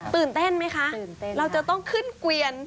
ตื่นเต้นไหมคะเราจะต้องขึ้นเกวียน